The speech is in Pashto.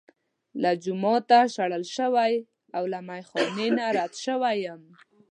له جوماته شړل شوی او له میخا نه رد شوی یم.